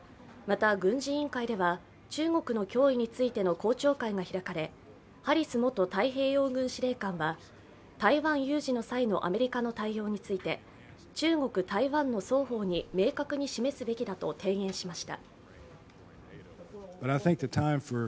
また軍事委員会では中国の脅威についての公聴会が開かれハリス元太平洋司令官が台湾有事の際のアメリカの対応について中国・台湾の双方に明確に示すべきだと提言しました。